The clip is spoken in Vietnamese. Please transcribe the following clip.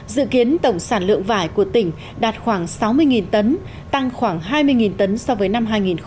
dự kiến tổng sản lượng vải của tỉnh đạt khoảng sáu mươi tấn tăng khoảng hai mươi tấn so với năm hai nghìn một mươi tám